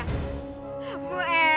kebetulan banget eh beli ya